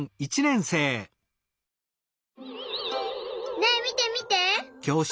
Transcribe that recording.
ねえみてみて！